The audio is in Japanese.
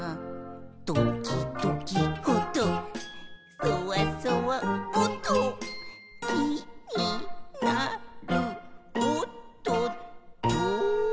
「どきどきおっとそわそわおっと」「きになるおっとっと」